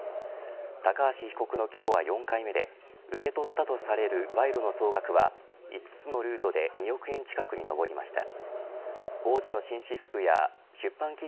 高橋被告の起訴は４回目で受け取ったとされる賄賂の総額は５つのルートで２億円近くに上りました。